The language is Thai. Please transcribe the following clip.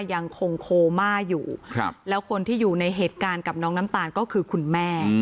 ยังคงโคม่าอยู่แล้วคนที่อยู่ในเหตุการณ์กับน้องน้ำตาลก็คือคุณแม่